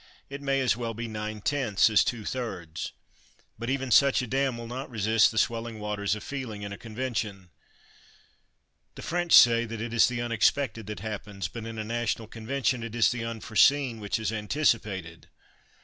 It may as well be nine tenths as two thirds. But even such a dam will not resist the swelling waters of feeling in a convention. The French say that it is the unexpected that happens, but in a national convention it is the unforeseen which is anticipated.